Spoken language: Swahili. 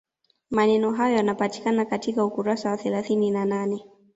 Maneno hayo yanapatikana katika ukurasa wa thelathini na nane